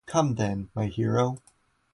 Come, then, my hero.